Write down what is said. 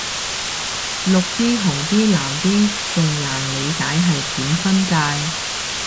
綠的紅的藍的仲難理解係點分界